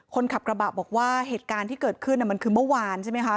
คนขับกระบะบอกว่าเหตุการณ์ที่เกิดขึ้นมันคือเมื่อวานใช่ไหมคะ